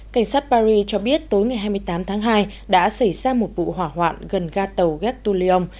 cảnh sát paris cho biết tối ngày hai mươi tám tháng hai đã xảy ra một vụ hỏa hoạn gần ga tàu gatulion